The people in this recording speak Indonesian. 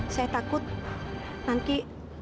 saya takut nanti